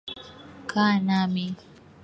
Kaa nami.